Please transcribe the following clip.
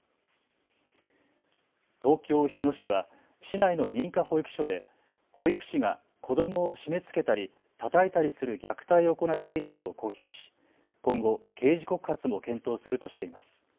東京日野市は市内の認可保育所で保育士が子どもを締めつけたりたたいたりする虐待を行っていたと公表し今後、刑事告発も検討するとしています。